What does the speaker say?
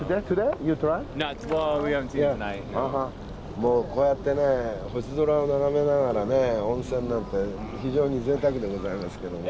もうこうやってね星空を眺めながら温泉なんて非常にぜいたくでございますけど。